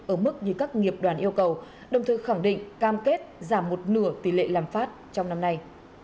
ở mức như các nghiệp đoàn yêu cầu đồng thời khẳng định cam kết giảm một nửa tỷ lệ làm phát trong năm nay